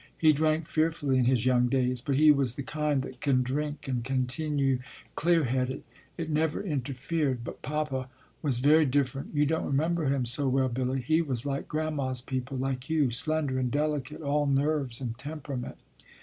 He drank fearfully in his young days, but he was the kind that can drink and continue clear headed. It never interfered. But Papa was very different. You don t remember him so well, Billy. He was like Grandma s people; like you, slender and deli cate, all nerves and temperament.